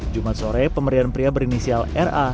jumat sore pemberian pria berinisial ra